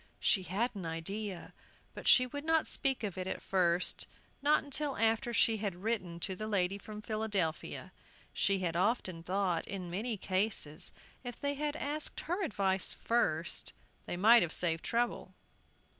She had an idea, but she would not speak of it at first, not until after she had written to the lady from Philadelphia. She had often thought, in many cases, if they had asked her advice first, they might have saved trouble.